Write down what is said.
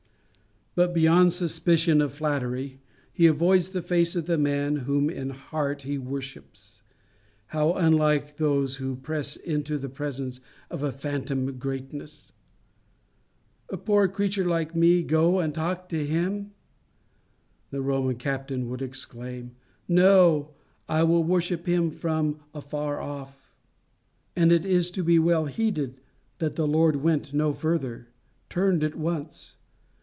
But beyond suspicion of flattery, he avoids the face of the man whom in heart he worships. How unlike those who press into the presence of a phantom greatness! "A poor creature like me go and talk to him!" the Roman captain would exclaim. "No, I will worship from afar off." And it is to be well heeded that the Lord went no further turned at once.